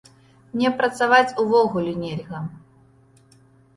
Мне працаваць увогуле нельга.